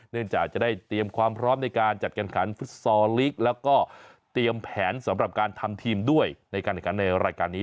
จากจะได้เตรียมความพร้อมในการจัดการขันฟุตซอลลีกแล้วก็เตรียมแผนสำหรับการทำทีมด้วยในการแข่งขันในรายการนี้